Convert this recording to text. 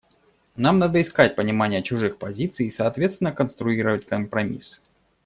Нам надо искать понимания чужих позиций и соответственно конструировать компромисс.